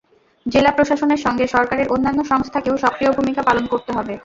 জেলা প্রশাসনের সঙ্গে সরকারের অন্যান্য সংস্থাকেও সক্রিয় ভূমিকা পালন করতে হবে।